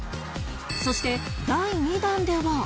そして第２弾では